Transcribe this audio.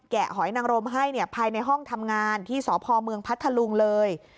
หอยนังรมให้ภายในห้องทำงานที่สพเมืองพัทธลุงเลย